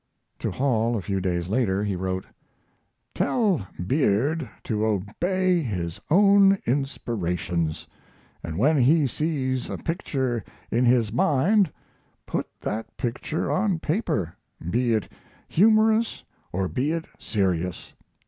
To Hall a few days later he wrote: Tell Beard to obey his own inspirations, and when he sees a picture in his mind put that picture on paper, be it humorous or be it serious.